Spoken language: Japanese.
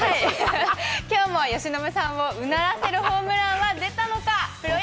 きょうも由伸さんをうならせるホームランは出たのか。